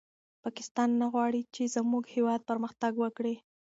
پاکستان نه غواړي چې زموږ هېواد پرمختګ وکړي.